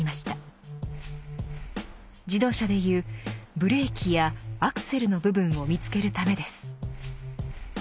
自動車でいうブレーキやアクセルの部分を見つけるためです。